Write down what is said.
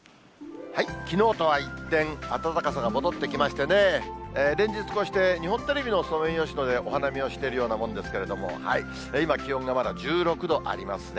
きのうとは一転、暖かさが戻ってきましてね、連日こうして日本テレビのソメイヨシノでお花見をしているようなもんですけれども、今、気温がまだ１６度ありますね。